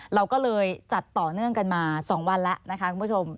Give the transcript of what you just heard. เราก็เลยจัดต่อเนื่องกันมา๒วันแล้วนะคะคุณผู้ชม